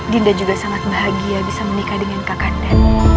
dinda juga sangat bahagia bisa menikah dengan kakaknya